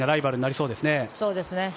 そうですね。